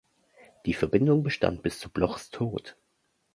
Die Verbindung bestand bis zu Blochs Tod.